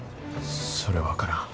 それは分からん。